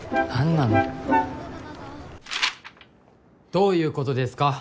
どういうことですか？